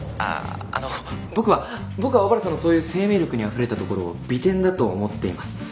あの僕は僕は小原さんのそういう生命力にあふれたところを美点だと思っています。